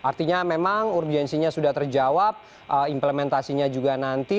artinya memang urgensinya sudah terjawab implementasinya juga nanti